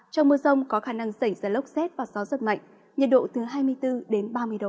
trong mưa rông có khả năng xảy ra lốc xét và gió rất mạnh nhiệt độ từ hai mươi bốn đến ba mươi độ